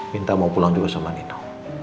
minta mau pulang juga sama nito